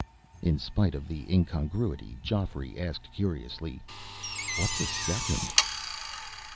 In spite of the incongruity, Geoffrey asked curiously: "What's a second?"